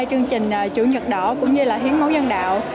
chương trình chủ nhật đỏ cũng như hiến máu dân đạo